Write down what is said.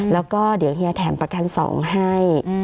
แล้วก็เดี๋ยวเฮียแถมประกันสองให้